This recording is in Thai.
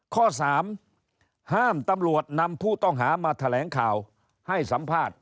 ข้อ๓ห้ามตำรวจนำผู้ต้องหามาแถลงข่าวให้สัมภาษณ์